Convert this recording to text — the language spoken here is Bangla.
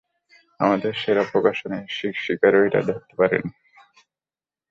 আমাদের সেরা শিকারীরাও ওটাকে ধরতে পারেনি।